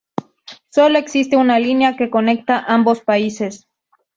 Solo existe una línea que conecta ambos países.